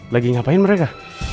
lagi ngapain mereka